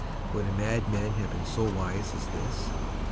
—would a madman have been so wise as this?